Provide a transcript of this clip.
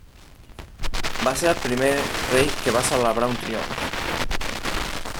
Va ser el primer rei que va celebrar un triomf.